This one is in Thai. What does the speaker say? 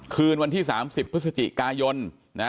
คืนวันที่๓๐พฤศจิกายนนะ